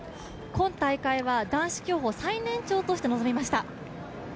今大会は男子競歩最年長として臨みました。